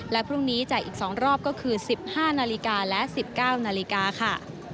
และพรุ่งนี้จ่ายอีก๒รอบก็คือ๑๕นาฬิกาและ๑๙นาฬิกาค่ะ